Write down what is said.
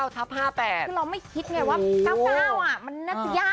คือเราไม่คิดไงว่า๙๙มันน่าจะยาก